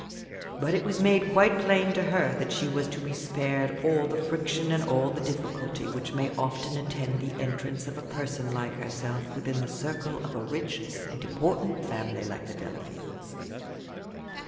But it was made quite plain to her that she was to be spared all the friction and all the difficulty which may often attend the entrance of a person like herself within the circle of a rich and important family like the Delafields.